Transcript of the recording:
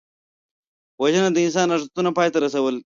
وژنه د انساني ارزښتونو پای ته رسول دي